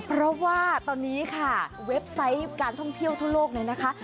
เพราะว่าตอนนี้ค่ะเว็บไซต์การท่องเที่ยวทั่วโลกเนี่ยนะคะ